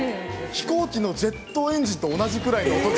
飛行機のジェットエンジンと同じぐらいの音出るんですけど。